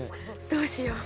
「どうしよう」